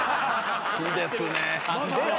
・好きですね。